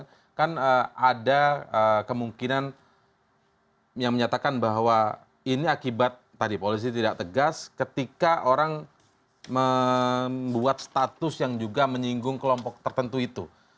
karena kan ada kemungkinan yang menyatakan bahwa ini akibat tadi polisi tidak tegas ketika orang membuat status yang juga menyinggung kelompok tertentu itu